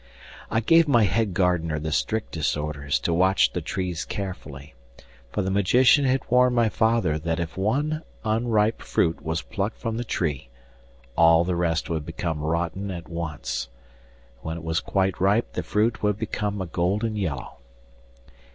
'I gave my head gardener the strictest orders to watch the trees carefully, for the magician had warned my father that if one unripe fruit were plucked from the tree, all the rest would become rotten at once. When it was quite ripe the fruit would become a golden yellow.